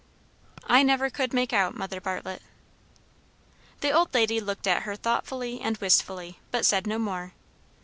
"I never could make out, Mother Bartlett." The old lady looked at her thoughtfully and wistfully, but said no more.